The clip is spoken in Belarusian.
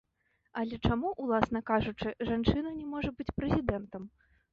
Але чаму, уласна кажучы, жанчына не можа быць прэзідэнтам?